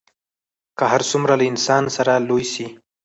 که هر څومره له انسانه سره لوی سي